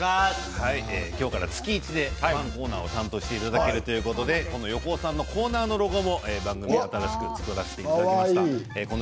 今日から月１でゴハンコーナーを担当してくださるということで横尾さんのコーナーのロゴも新しく作らせていただきました。